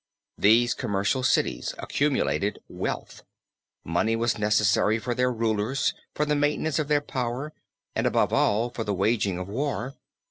These commercial cities accumulated wealth. Money was necessary for their rulers for the maintenance of their power and above all for the waging of war.